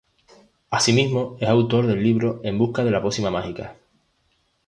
Asimismo, es autor del libro “En busca de la pócima mágica.